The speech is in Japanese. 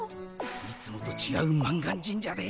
いつもとちがう満願神社で。